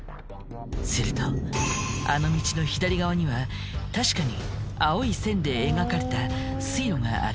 するとあの道の左側には確かに青い線で描かれた水路がある。